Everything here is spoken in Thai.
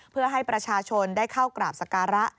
เพื่อให้ประชาชนได้เข้ากราบสการะ